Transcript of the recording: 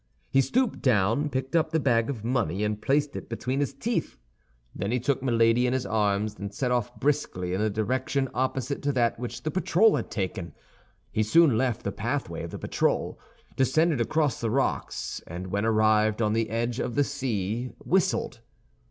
He stooped down, picked up the bag of money, and placed it between his teeth. Then he took Milady in his arms, and set off briskly in the direction opposite to that which the patrol had taken. He soon left the pathway of the patrol, descended across the rocks, and when arrived on the edge of the sea, whistled.